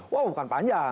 wah bukan panjang